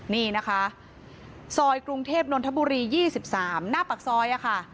นี่นะคะซอยกรุงเทพนนทบุรี๒๓หน้าปากซอยค่ะ